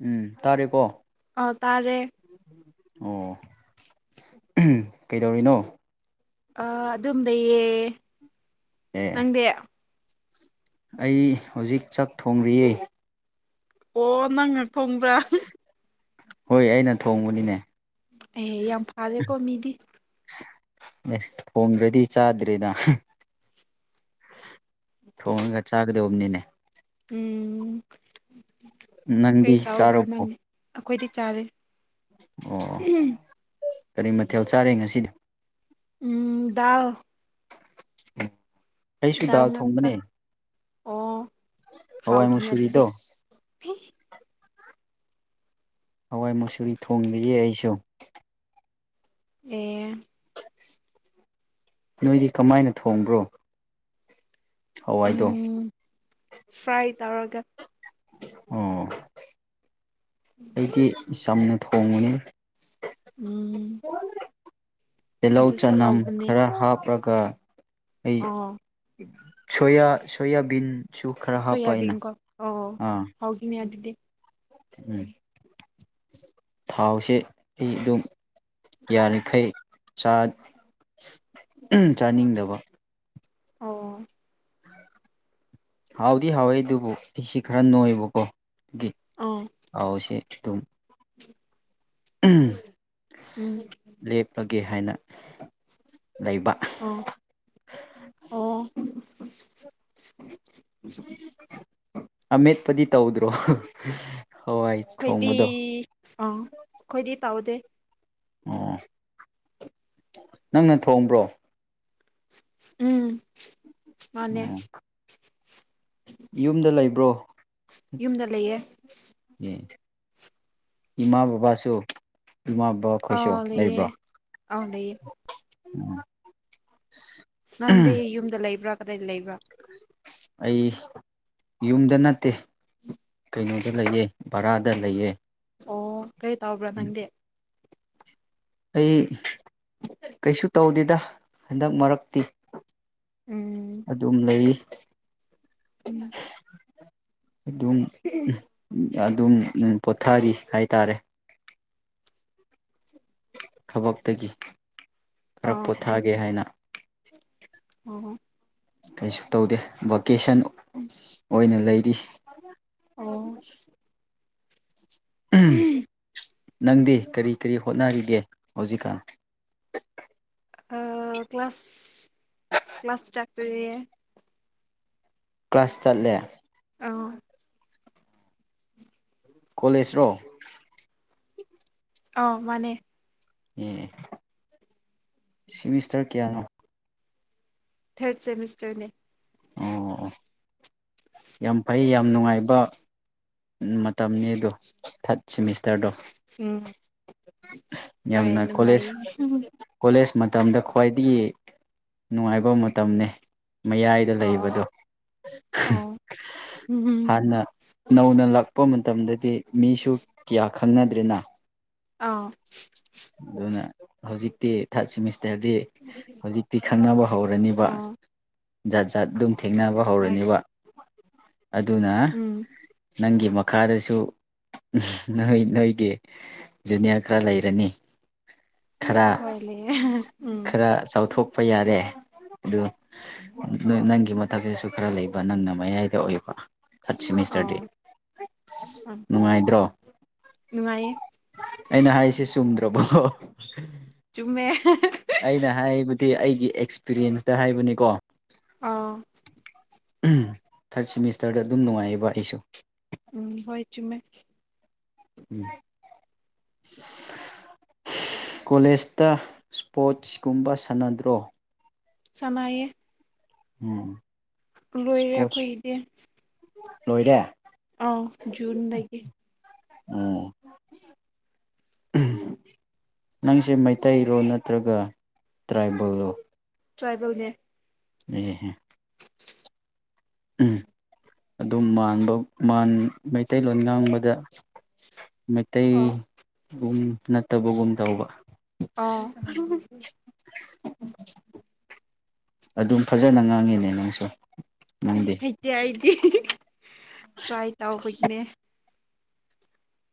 ꯎꯝ ꯇꯥꯔꯦꯀꯣ ꯑ ꯇꯥꯔꯦ ꯑꯣ ꯀꯩꯗꯧꯔꯤꯅꯣ ꯑ ꯑꯗꯨꯝ ꯂꯩꯌꯦ ꯑꯦ ꯅꯪꯗꯤ ꯑꯩ ꯍꯧꯖꯤꯛ ꯆꯥꯛ ꯊꯣꯡꯔꯤꯌꯦ ꯑꯣ ꯅꯪꯅ ꯊꯣꯡꯕ꯭ꯔꯥ ꯍꯣꯏ ꯑꯩꯅ ꯊꯣꯡꯕꯅꯤꯅꯦ ꯑꯦ ꯌꯥꯝ ꯐꯔꯦꯀꯣ ꯃꯤꯗꯤ ꯑꯩꯁ ꯊꯣꯡꯗ꯭ꯔꯗꯤ ꯆꯥꯗ꯭ꯔꯦꯅ [unintelligible] ꯊꯣꯡꯉꯒ ꯆꯥꯒꯗꯧꯕꯅꯤꯅꯦ ꯎꯝ ꯀꯩ ꯅꯪꯗꯤ ꯇꯥꯎꯕ꯭ꯔꯥ ꯆꯥꯔꯕꯣ ꯅꯪꯗꯤ ꯑꯩꯈꯣꯏꯗꯤ ꯆꯥꯔꯦ ꯎ ꯑꯣ [unintelligible] ꯀꯔꯤ ꯃꯊꯦꯜ ꯆꯥꯔꯦ ꯉꯁꯤꯗꯤ ꯎꯝ ꯗꯥꯜ [unintelligible] ꯗꯥꯜ ꯉꯥꯛꯇ ꯑꯣ ꯍꯋꯥꯏ ꯍꯥꯎꯕꯅꯦ ꯑꯗꯨꯗꯤ ꯃꯨꯁꯨꯨꯔꯤꯗꯣ ꯍꯋꯥꯏ ꯃꯨꯆꯨꯔꯤ ꯊꯣꯡꯂꯤꯌꯦ ꯑꯩꯁꯨ ꯑꯦ ꯅꯣꯏꯗꯤ ꯀꯃꯥꯏꯅ ꯊꯣꯡꯕ꯭ꯔꯣ ꯍꯋꯥꯏꯗꯣ ꯎꯝ ꯐ꯭ꯔꯥꯏ ꯇꯧꯔꯒ ꯑꯣ ꯑꯩꯗꯤ ꯆꯝꯅ ꯊꯣꯡꯕꯅꯤ ꯎꯝ ꯇꯤꯜꯍꯧ ꯑꯗꯨꯁꯨ ꯆꯅꯝ ꯍꯥꯎꯕꯅꯦ ꯈꯔ ꯍꯥꯞꯔꯒ ꯑꯩ ꯑꯣ ꯁꯣꯌꯥ ꯁꯣꯌꯥꯕꯤꯟ ꯁꯨ ꯈꯔ ꯍꯥꯞꯄ ꯑꯩꯅ ꯁꯣꯌꯥꯕꯤꯟꯀꯣ ꯑꯣ ꯑꯥ ꯍꯥꯎꯈꯤꯅꯦ ꯑꯗꯨꯗꯤ ꯎꯝ ꯊꯥꯎꯁꯦ ꯑꯩ ꯑꯗꯨꯝ ꯌꯥꯔꯤꯈꯩ ꯆꯥ ꯎꯝ ꯆꯥꯅꯤꯡꯗꯕ ꯑꯣ ꯍꯥꯎꯗꯤ ꯍꯥꯎꯋꯦ ꯑꯗꯨꯕꯨ ꯑꯩꯁꯤ ꯈꯔ ꯅꯣꯏꯕꯀꯣ ꯑꯗꯨꯒꯤ ꯑꯥ ꯍꯥꯎꯁꯦ ꯑꯗꯨꯝ [unintelligible] ꯎꯝ ꯂꯦꯞꯄꯒꯦ ꯍꯥꯏꯅ ꯂꯩꯕ ꯑꯣ ꯑꯣ [unintelligible] ꯑꯃꯦꯠꯄꯗꯤ ꯇꯧꯗ꯭ꯔꯣ [unintelligible] ꯍꯋꯥꯏ ꯑꯩꯈꯣꯏꯗꯤ ꯊꯣꯡꯕꯗꯣ ꯑꯥ ꯑꯩꯈꯣꯏꯗꯤ ꯇꯧꯗꯦ ꯑꯣ ꯅꯪꯅ ꯊꯣꯡꯕ꯭ꯔꯣ ꯎꯝ ꯃꯥꯅꯦ ꯑꯣ ꯌꯨꯝꯗ ꯂꯩꯕ꯭ꯔꯣ ꯌꯨꯝꯗ ꯂꯩꯌꯦ ꯏꯃꯥ ꯕꯥꯕꯥꯁꯨ ꯏꯃꯥ ꯕꯥꯕꯥ ꯈꯣꯏꯁꯨ ꯑꯥ ꯂꯩꯌꯦ ꯂꯩꯕ꯭ꯔꯣ ꯑꯥ ꯂꯩꯌꯦ ꯎꯝ ꯅꯪꯗꯤ ꯌꯨꯝꯗ ꯂꯩꯕ꯭ꯔꯥ ꯀꯗꯥꯏꯗ ꯂꯩꯕ꯭ꯔꯥ ꯑꯩ ꯌꯨꯝꯗ ꯅꯠꯇꯦ ꯀꯩꯅꯣꯗ ꯂꯩꯌꯦ ꯕꯔꯥꯗ ꯂꯩꯌꯦ ꯑꯣ ꯀꯔꯤ ꯇꯧꯕ꯭ꯔꯥ ꯅꯪꯗꯤ ꯑꯩ ꯀꯩꯁꯨ ꯇꯧꯗꯦꯗ ꯍꯟꯗꯛ ꯃꯔꯛꯇꯤ ꯎꯝ ꯑꯗꯨꯝ ꯂꯩ ꯎꯝ ꯑꯗꯨꯝ ꯑꯗꯨꯝ ꯄꯣꯊꯥꯔꯤ ꯍꯥꯏꯇꯥꯔꯦ ꯊꯕꯛꯇꯒꯤ ꯈꯔ ꯑꯥ ꯄꯣꯊꯥꯒꯦ ꯍꯥꯏꯅ ꯑꯣ ꯑꯣ ꯀꯩꯁꯨ ꯇꯧꯗꯦ ꯚꯣꯀꯦꯁꯟ ꯑꯣꯏꯅ ꯂꯩꯔꯤ ꯑꯣ [unintelligible] ꯅꯪꯗꯤ ꯀꯔꯤ ꯀꯔꯤ ꯍꯣꯠꯅꯔꯤꯒꯦ ꯍꯧꯖꯤꯛꯀꯥꯟ ꯑꯥ ꯀ꯭ꯂꯥꯁ ꯀ꯭ꯂꯥꯁ ꯇꯥꯛꯄꯤꯔꯤꯌꯦ ꯀ꯭ꯂꯥꯁ ꯆꯠꯂꯦ ꯑꯥ [inaudible] ꯀꯣꯂꯦꯖꯔꯣ ꯑꯧ ꯃꯅꯦ ꯑꯦ ꯁꯤꯃꯤꯁꯇꯔ ꯀꯌꯥꯅꯣ ꯊꯔꯠ ꯁꯦꯃꯤꯁꯇꯔꯅꯦ ꯑꯣ ꯑꯣ ꯌꯥꯝ ꯐꯩ ꯌꯥꯝ ꯅꯨꯡꯉꯥꯏꯕ ꯃꯇꯝꯅꯤꯗꯣ ꯊꯥꯔ꯭ꯠ ꯁꯦꯃꯤꯁꯇꯔꯗꯣ ꯎꯝ ꯍꯣꯏ ꯌꯥꯝꯅ ꯀꯣꯂꯦꯖ ꯅꯨꯡꯉꯥꯏꯌꯦ ꯀꯣꯂꯦꯖ ꯃꯇꯝꯗ ꯈ꯭ꯋꯥꯏꯗꯒꯤ ꯅꯨꯡꯉꯥꯏꯕ ꯃꯇꯝꯅꯤ ꯃꯌꯥꯏ ꯗ ꯑꯣ ꯂꯩꯕꯗꯣ ꯑꯣ ꯎꯝ ꯍꯥꯟꯅ ꯅꯧꯅ ꯂꯥꯛꯄ ꯃꯇꯝꯗꯗꯤ ꯃꯤꯁꯨ ꯀꯌꯥ ꯈꯪꯅꯗ꯭ꯔꯦꯅ ꯑꯥꯎ ꯑꯗꯨꯅ ꯍꯧꯖꯤꯛꯇꯤ ꯊꯥꯔꯠ ꯁꯤꯃꯤꯁꯇꯔꯗꯤ ꯍꯧꯖꯤꯛꯇꯤ ꯈꯪꯅꯕ ꯍꯧꯔꯅꯤꯕ ꯑꯣ ꯖꯥꯠ ꯖꯥꯠ ꯑꯗꯨꯝ ꯊꯦꯡꯅꯕ ꯍꯣꯏ ꯍꯧꯔꯅꯦꯕ ꯑꯗꯨꯅ ꯎꯝ ꯅꯪꯒꯤ ꯃꯈꯥꯗꯁꯨ ꯅꯣꯏ ꯅꯣꯏꯒꯤ ꯖꯨꯅꯤꯌꯔ ꯈꯔ ꯂꯩꯔꯅꯤ ꯈꯔ ꯍꯣꯢ ꯂꯩꯌꯦ ꯎꯝ ꯈꯔ ꯆꯥꯎꯊꯣꯛꯄ ꯌꯥꯔꯦ ꯑꯗꯨ ꯅꯪꯒꯤ ꯃꯊꯛꯇꯁꯨ ꯈꯔ ꯂꯩꯕ ꯅꯪꯅ ꯃꯌꯥꯏꯗ ꯑꯣꯏꯕ ꯊꯔꯠ ꯁꯦꯃꯤꯁꯇꯔꯗꯤ ꯑꯣ ꯎꯝ ꯅꯨꯡꯉꯥꯏꯗ꯭ꯔꯣ ꯅꯨꯡꯉꯥꯏꯌꯦ ꯑꯩꯅ ꯍꯥꯏꯁꯦ ꯆꯨꯝꯗ꯭ꯔꯕꯣ ꯆꯨꯝꯃꯦ ꯑꯩꯅ ꯍꯥꯏꯕꯗꯤ ꯑꯩꯒꯤ ꯑꯦꯛꯁꯄꯤꯔꯤꯌꯦꯟꯁꯇ ꯍꯥꯏꯕꯅꯤꯀꯣ ꯑꯥ ꯊꯥꯔꯠ ꯁꯦꯃꯤꯁꯇꯔꯗ ꯑꯗꯨꯝ ꯅꯨꯡꯉꯥꯏꯌꯦꯕ ꯑꯩꯁꯨ ꯎꯝ ꯍꯣꯏ ꯆꯨꯃꯦ ꯎꯝ [unintelligible] ꯀꯣꯂꯦꯖꯇ ꯏꯁꯄꯣꯔꯠꯁꯀꯨꯝꯕ ꯁꯥꯟꯅꯗ꯭ꯔꯣ ꯁꯥꯅꯩꯌꯦ ꯎꯝ ꯂꯣꯏꯔꯦ ꯑꯈꯣꯏ ꯏꯁꯄꯣꯔꯠꯁ ꯒꯤꯗꯤ ꯂꯣꯏꯔꯦ ꯑꯧ ꯖꯨꯟ ꯗꯒꯤ ꯑꯣ ꯅꯪꯁꯦ ꯃꯩꯇꯩꯔꯣ ꯅꯠꯇ꯭ꯔꯒ ꯇ꯭ꯔꯥꯏꯕꯦꯜꯔꯣ ꯇ꯭ꯔꯥꯏꯕꯦꯜꯅꯦ ꯑꯦ ꯍꯦ ꯑꯗꯨꯝ ꯃꯥꯟꯕ ꯃꯩꯇꯩꯂꯣꯟ ꯉꯥꯡꯕꯗ ꯑ ꯃꯩꯇꯩꯒꯨꯝ ꯅꯠꯇꯕꯒꯨꯝ ꯇꯧꯕ ꯑꯣ ꯑꯗꯨꯝ ꯐꯖꯅ ꯉꯥꯡꯉꯤꯅꯦ ꯅꯪꯁꯨ ꯅꯪꯗꯤ ꯍꯩꯇꯦ ꯑꯩꯗꯤ ꯇ꯭ꯔꯥꯏ ꯇꯧꯕꯒꯤꯅꯦ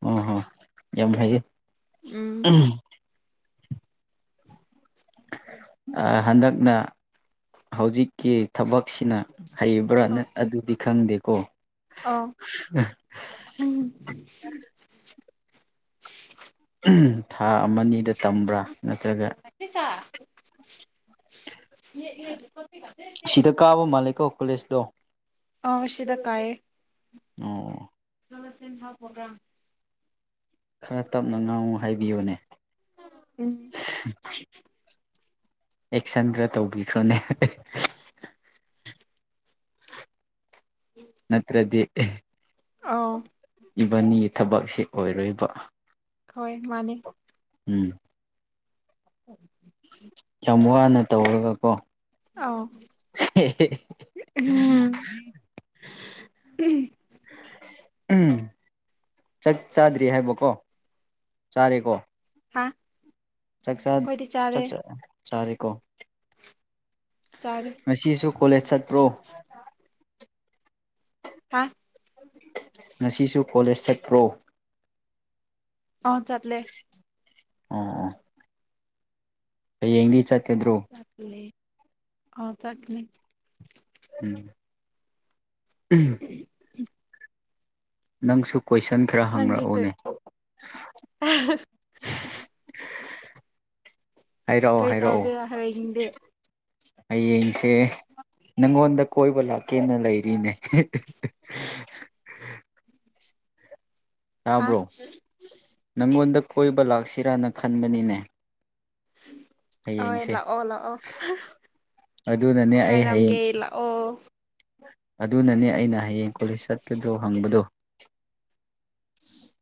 ꯑꯣ ꯍꯣ ꯌꯥꯝ ꯍꯩꯌꯦ ꯎꯝ ꯑꯥ ꯍꯟꯗꯛꯅ ꯍꯧꯖꯤꯛꯀꯤ ꯊꯕꯛꯁꯤꯅ ꯍꯩꯕ꯭ꯔꯥ ꯅꯪ ꯑꯗꯨꯗꯤ ꯈꯪꯗꯦꯀꯣ ꯑꯥꯎ ꯎꯝ ꯎꯝ ꯊꯥ ꯑꯃ ꯑꯅꯤꯗ ꯇꯝꯕ꯭ꯔꯥ ꯅꯠꯇ꯭ꯔꯒ ꯁꯤꯗ [unintelligible] ꯀꯥꯕ ꯃꯥꯂꯦꯀꯣ ꯀꯣꯂꯦꯖ ꯗꯣ ꯑꯥꯎ ꯁꯤꯗꯥ ꯀꯥꯏꯌꯦ ꯑꫭ [unintelligible] ꯈꯔꯥ ꯇꯞꯅ ꯉꯥꯡꯉꯨ ꯍꯥꯏꯕꯤꯌꯨꯅꯦ [unintelligible] ꯑꯦꯛꯁꯟ ꯈꯔ ꯇꯧꯕꯤꯈ꯭ꯔꯣꯅꯦ ꯅꯠꯇ꯭ꯔꯗꯤ ꯑꯥꯎ ꯏꯕꯅꯤꯒꯤ ꯊꯕꯛꯁꯦ ꯑꯣꯏꯔꯣꯏꯕ ꯍꯣꯏ ꯃꯥꯅꯤ ꯎꯝ꯫ [inaudible] ꯑꯃꯨꯛ ꯍꯟꯅ ꯇꯧꯔꯒ ꯀꯣ ꯑꯧ ꯍꯦ ꯍꯦ [unintelligible] ꯎꯝ꯫ ꯎꯝ꯫ ꯆꯥꯛ ꯆꯥꯗ꯭ꯔꯤ ꯍꯥꯏꯕꯀꯣ ꯆꯥꯔꯦꯀꯣ ꯍꯥꯥ ꯆꯥꯛꯆꯥ ꯆꯥꯛꯆꯥ ꯆꯥꯔꯦꯀꯣ ꯆꯥꯔꯦ ꯉꯁꯤꯁꯨ ꯀꯣꯂꯦꯖ ꯆꯠꯄ꯭ꯔꯣ ꯍꯥꯥ ꯉꯁꯤꯁꯨ ꯀꯣꯂꯦꯖ ꯆꯠꯄ꯭ꯔꯣ ꯑꯥ ꯆꯠꯂꯦ ꯑꯣꯡ ꯑꫭꯡ ꯍꯌꯦꯡꯗꯤ ꯆꯠꯀꯗ꯭ꯔꯣ ꯇꯠꯂꯦ ꯑꯣ ꯆꯠꯀꯅꯤ ꯎꯝ ꯎꯝ꯫ [inaudible] ꯅꯪꯁꯨ ꯀꯣꯏꯁꯟ ꯈꯔ ꯅꯪꯗꯤ ꯀꯩ ꯍꯪꯔꯛꯑꯣꯅꯦ [unintelligible] ꯍꯥꯏꯔꯛꯑꯣ ꯀꯩ ꯍꯥꯏꯔꯛꯑꯣ ꯇꯧꯒꯦꯔꯥ ꯍꯌꯦꯡꯗꯤ ꯍꯌꯦꯡꯁꯦ ꯅꯪꯉꯣꯟꯗ ꯀꯣꯏꯕ ꯂꯥꯛꯀꯦꯅ ꯂꯩꯔꯤꯅꯦ꯫ ꯍꯥ ꯇꯥꯕ꯭ꯔꯣ ꯅꯪꯉꯣꯟꯗ ꯀꯣꯏꯕ ꯂꯥꯛꯁꯤꯔꯅ ꯈꯟꯕꯅꯤꯅꯦ꯫ [inaudible] ꯑꯣꯏ ꯍꯌꯦꯡꯁꯦ ꯂꯥꯛꯑꯣ ꯂꯥꯛꯑꯣ ꯑꯗꯨꯅꯅꯦ ꯑꯩ ꯍꯌꯦꯡ ꯉꯥꯏꯔꯝꯒꯦ ꯂꯥꯛꯑꯣ ꯑꯗꯨꯅꯅꯦ ꯑꯩꯅ ꯍꯌꯦꯡ ꯀꯣꯂꯦꯖ ꯆꯠꯄꯗꯣ ꯍꯪꯕꯗꯣ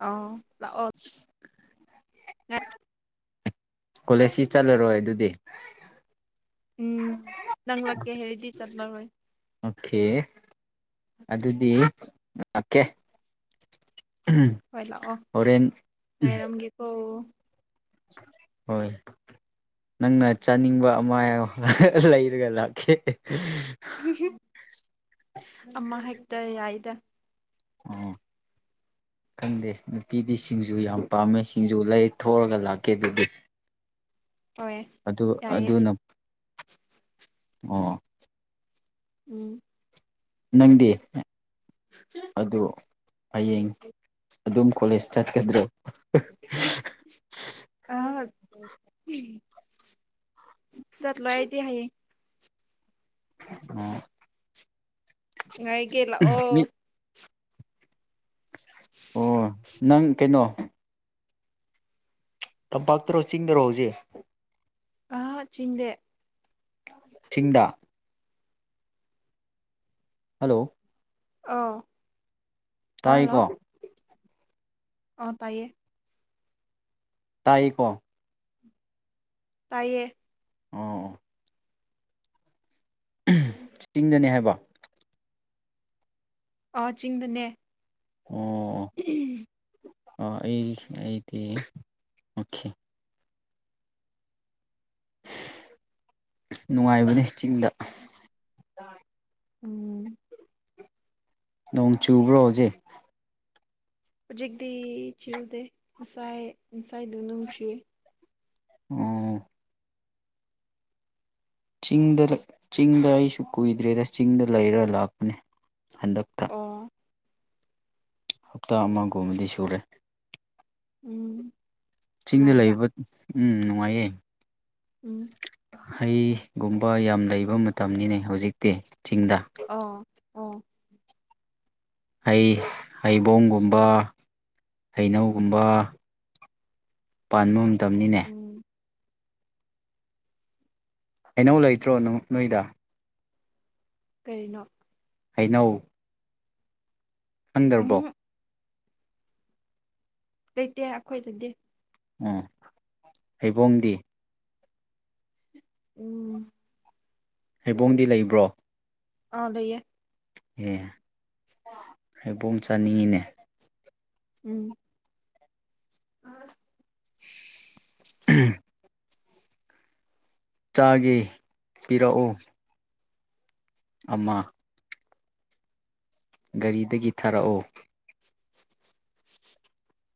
ꯑꯥꯎ ꯂꯥꯛꯑꯣ [unintelligible] ꯀꯣꯂꯦꯖꯁꯤ ꯆꯠꯂꯔꯣꯏ ꯑꯗꯨꯗꯤ ꯎꯝ ꯅꯪ ꯂꯛꯀꯦ ꯍꯥꯏꯔꯗꯤ ꯆꯠꯂꯔꯣꯏ꯫ ꯑꯣꯀꯦ ꯑꯗꯨꯗꯤ ꯂꯥꯛꯀꯦ꯫ ꯍꯣꯔꯦꯟ ꯑꯣ ꯍꯣꯏ ꯅꯪꯅ ꯆꯥꯅꯤꯡꯕ ꯑꯃ ꯍꯥꯏꯌꯣ ꯂꯩꯔꯒ ꯂꯥꯛꯀꯦ꯫ ꯑꯃ ꯍꯦꯛꯇ ꯌꯥꯏꯗ ꯑꯥ ꯈꯪꯗꯦ ꯅꯨꯄꯤꯗꯤ ꯁꯤꯡꯖꯨ ꯌꯥꯝ ꯄꯥꯝꯃꯦ ꯁꯤꯡꯖꯨ ꯂꯩ ꯊꯑꯒ ꯂꯥꯛꯀꯦ ꯑꯗꯨꯗꯤ ꯍꯣꯏ ꯑꯗꯨ ꯌꯥꯏꯌꯦ ꯑꯗꯨꯅ ꯑꯣ ꯎꯝ ꯅꯪꯗꯤ ꯑꯗꯨ ꯍꯌꯦꯡ ꯑꯗꯨꯝ ꯀꯣꯂꯦꯖ ꯆꯠꯀꯗ꯭ꯔꯣ ꯑ ꯆꯠꯂꯣꯏ ꯑꯩꯗꯤ ꯍꯥꯌꯦ ꯎꯝ ꯉꯥꯏꯒꯤ ꯂꯥꯛꯑꯣ ꯃꯤ ꯑꯣ ꯅꯪ ꯀꯩꯅꯣ ꯇꯝꯄꯥꯛꯇꯔꯣ ꯆꯤꯡꯗꯔꯣ ꯍꯧꯖꯤꯛ ꯑ ꯆꯤꯡꯗꯦ ꯆꯤꯡꯗ ꯍꯜꯂꯣ ꯑꯧ ꯇꯥꯏꯑꯀꯣ ꯑ ꯇꯥꯏꯌꯦ ꯇꯥꯏꯑꯀꯣ ꯇꯥꯏꯌꯦ ꯑꯣ ꯑꯣ ꯎꯝ ꯆꯤꯡꯗꯅꯦ ꯍꯥꯏꯕ ꯑ ꯆꯤꯡꯗꯅꯦ ꯑꯣ ꯑꯣ ꯑꯩ ꯑꯩꯗꯤ ꯑꯣꯈꯦ ꯅꯨꯡꯉꯥꯏꯕꯅꯦ ꯆꯤꯡꯗ ꯎꯝ ꯅꯣꯡ ꯆꯨꯕ꯭ꯔꯣ ꯍꯧꯖꯤꯛ ꯍꯧꯖꯤꯛꯇꯤ ꯆꯨꯗꯦ ꯉꯁꯥꯏ ꯉꯁꯥꯏꯗꯣ ꯅꯣꯡ ꯆꯨꯏ ꯑꯣ ꯑꯣ ꯆꯤꯡꯗ ꯆꯤꯡꯗ ꯑꯩꯁꯨ ꯀꯨꯏꯗ꯭ꯔꯦꯗ ꯆꯤꯡꯗ ꯂꯩꯔ ꯂꯥꯛꯄꯅꯦ ꯍꯟꯗꯛꯇ ꯑꯣ ꯍꯞꯇꯥ ꯑꯃꯒꯨꯝꯕꯗꯤ ꯁꯨꯔꯦ ꯎꯝ ꯆꯤꯡꯗ ꯅꯨꯡꯉꯥꯏꯕ꯭ꯔꯥ ꯂꯩꯕ ꯎꯝ ꯅꯨꯡꯉꯥꯏꯌꯦ ꯎꯝ ꯍꯩꯒꯨꯝꯕ ꯌꯥꯝ ꯂꯩꯕ ꯃꯇꯝꯅꯤꯅꯦ ꯍꯧꯖꯤꯛꯇꯤ ꯆꯤꯡꯗ ꯑꯧ ꯑꯣ ꯍꯩ ꯍꯩꯕꯣꯡꯒꯨꯝꯕ ꯍꯩꯅꯧꯒꯨꯝꯕ ꯄꯥꯟꯕ ꯃꯇꯝꯅꯤꯅꯦ ꯎꯝ ꯍꯩꯅꯧ ꯂꯩꯇ꯭ꯔꯣ ꯅꯣꯏꯗ ꯀꯔꯤꯅꯣ ꯍꯩꯅꯧ ꯑꯟꯗ꯭ꯔꯔꯕꯣ ꯎꯝ ꯂꯩꯇꯦ ꯑꯩꯈꯣꯏꯗꯗꯤ ꯑꯣ ꯍꯩꯕꯣꯡꯗꯤ ꯎꯝ ꯍꯩꯕꯣꯡꯗꯤ ꯂꯩꯕ꯭ꯔꯣ ꯑꯥ ꯂꯩꯩꯌꯦ ꯑꯦ ꯍꯩꯕꯣꯡ ꯆꯥꯅꯤꯡꯉꯤꯅꯦ ꯎꯝ ꯑ [inaudible] ꯎꯝ [inaudible] ꯆꯥꯒꯦ ꯄꯤꯔꯛꯑꯣ ꯑꯃ ꯒꯥꯔꯤꯗꯒꯤ ꯊꯥꯔꯛꯑꯣ [inaudible]